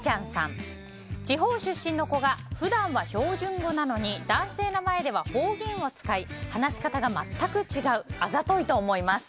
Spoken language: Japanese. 地方出身の子が普段は標準語なのに男性の前では方言を使い話し方が全く違うあざといと思います。